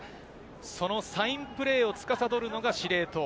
そのサインプレーをつかさどるのが司令塔。